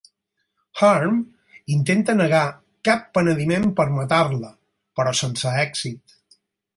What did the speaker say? Harm intenta negar cap penediment per matar-la, però sense èxit.